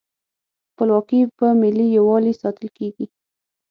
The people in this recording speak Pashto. خپلواکي په ملي یووالي ساتل کیږي.